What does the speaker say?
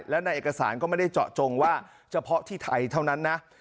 และในเอกสารก็ไม่ได้เจาะจงว่าเฉพาะที่ไทยเท่านั้นนะ